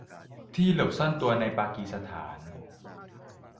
ที่หลบซ่อนตัวในปากีสถาน